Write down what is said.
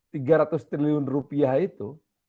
tiga ratus triliun rupiah itu